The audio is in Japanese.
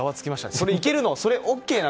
それ、いけるの？